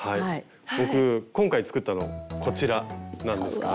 僕今回作ったのこちらなんですが。